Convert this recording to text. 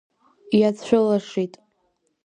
Иаацәылашит.